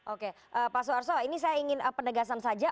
oke pak suarso ini saya ingin penegasan saja